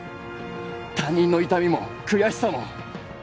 他人の痛みも悔しさも。